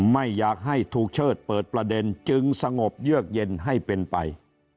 ไม่อยากให้ถูกเชิดเปิดประเด็นจึงสงบเยือกเย็นให้เป็นไป